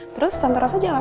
terus tante rosa jawab